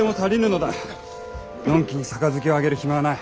のんきに杯をあげる暇はない。